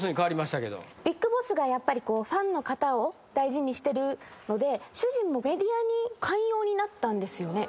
ＢＩＧＢＯＳＳがファンの方を大事にしてるので主人もメディアに寛容になったんですよね。